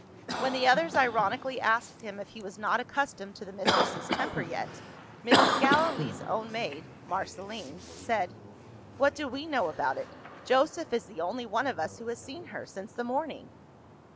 When the others ironically asked him if he was not accustomed to the mistress's temper yet, Mrs. Gallilee's own maid (Marceline) said, "What do we know about it? Joseph is the only one of us who has seen her, since the morning."